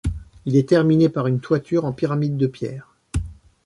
Il est terminé par une toiture en pyramide de pierre.